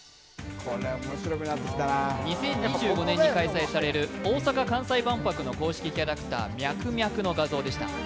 ２０２５年に開催される大阪・関西万博の公式キャラクターミャクミャクの画像でした。